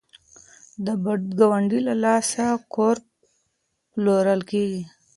د بد ګاونډي له لاسه کور پلورل کیږي.